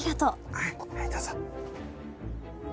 はいはいどうぞ。